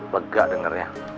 begak denger ya